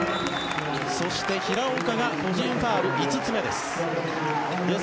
そして、平岡が個人ファウル５つ目です。